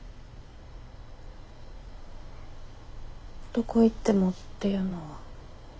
どこ行ってもっていうのは兄貴含む？